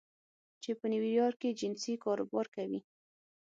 چې په نیویارک کې جنسي کاروبار کوي